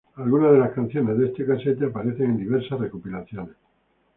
Algunas de las canciones de este casete aparecen en diversas recopilaciones.